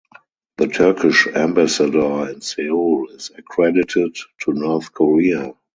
The Turkish ambassador in Seoul is accredited to North Korea.